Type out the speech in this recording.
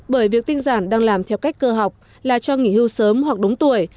bởi việc tinh giản đang làm theo cách cơ học là cho nghỉ hưu sớm hoặc đúng tuổi